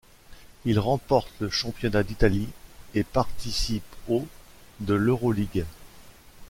Il remporte le championnat d'Italie et participe au de l'Euroligue.